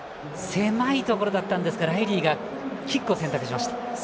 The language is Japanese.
狭いところだったんですがライリーがキックを選択しました。